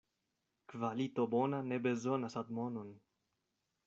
Kvalito bona ne bezonas admonon.